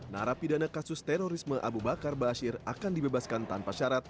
nara pidana kasus terorisme abu bakar ba'asyir akan dibebaskan tanpa syarat